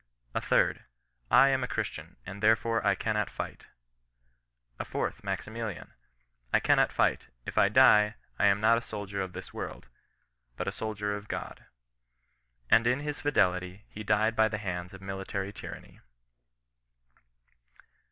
A third —" I am a Christian, and thcrefoie I cannot fight ?" A fourth, Maximilian :—" I cannot fight, if I die ; I am not a soldier of this world, but a soldier of God." And in his fidelity he died by the hands of military tyranny.